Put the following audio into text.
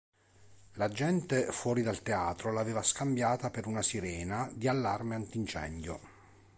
La gente fuori dal teatro l'aveva scambiata per una sirena di allarme antincendio.